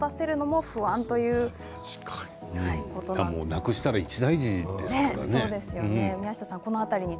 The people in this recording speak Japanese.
なくしたら一大事ですよね。